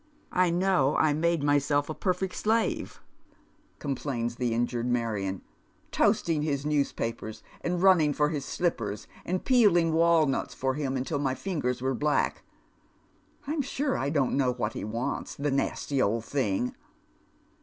" I know I made myself a perfect slave," complains the injured Marion ;" toasting his newspapers, and running for his slippers, and peeling wahiuts for him till my fingers were black. I'm sure I don't know what he wants — the nasty old thing